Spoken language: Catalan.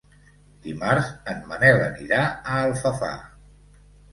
Dimarts en Manel anirà a Alfafar.